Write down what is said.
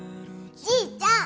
じいちゃん！